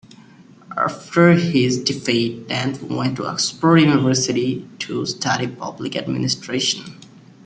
After his defeat, Dent went to Oxford University to study public administration.